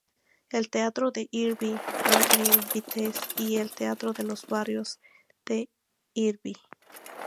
El teatro de Ivry, Antoine Vitez, y el teatro de los barrios de Ivry.